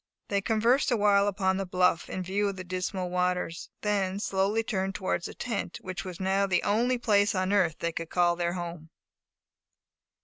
They conversed awhile upon the bluff, in view of the dismal waters, then slowly turned towards the tent, which was now the only place on earth they could call their home.